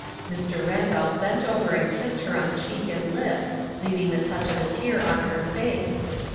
Mr. Randolph bent over and kissed her on cheek and lip, leaving the touch of a tear on her face.